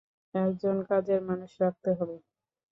এক জন কাজের মানুষ রাখতে হবে।